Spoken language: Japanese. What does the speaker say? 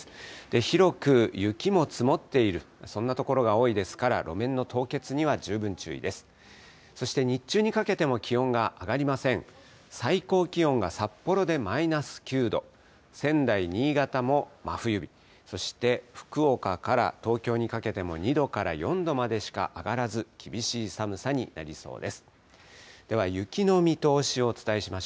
広く雪も積もっている、そんな所が多いですから、路面の凍結には十分注意です。